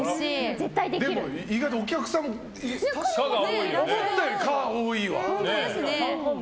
意外とお客さんも思ったより可が多いわ。